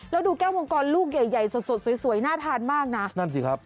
แล้วดูแก้วมังกรลูกใหญ่ใหญ่สดสดสวยสวยน่าทานมากนะนั่นสิครับ